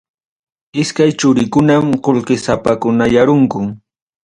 Iskaynin churikunam qullqisapakunayarunku.